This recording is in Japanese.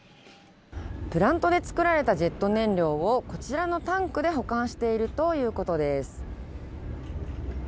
プラントで作られたジェット燃料をこちらのタンクで保管しているということです。